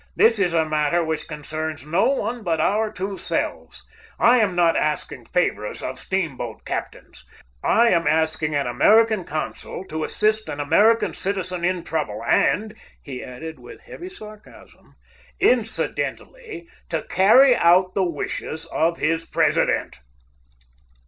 "This is a matter which concerns no one but our two selves. I am not asking favors of steamboat captains. I am asking an American consul to assist an American citizen in trouble, and," he added, with heavy sarcasm, "incidentally, to carry out the wishes of his President."